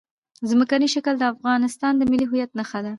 ځمکنی شکل د افغانستان د ملي هویت نښه ده.